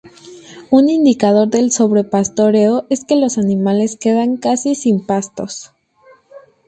Un indicador del sobrepastoreo es que los animales quedan casi sin pastos.